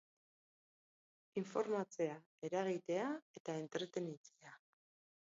Informatzea, eragitea eta entretenitzea.